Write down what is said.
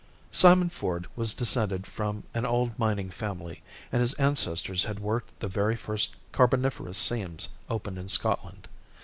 Simon Ford was descended from an old mining family, and his ancestors had worked the very first carboniferous seams opened in Scotland.